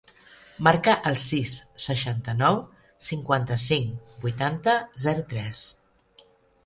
Marca el sis, seixanta-nou, cinquanta-cinc, vuitanta, zero, tres.